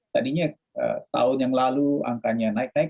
tadinya setahun yang lalu angkanya naik naik